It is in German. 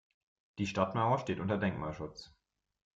Die Stadtmauer steht unter Denkmalschutz.